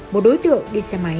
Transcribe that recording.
một đối tượng đi xe máy